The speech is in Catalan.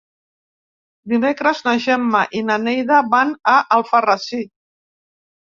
Dimecres na Gemma i na Neida van a Alfarrasí.